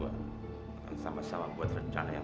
kalau lo perlu bantuan apa aja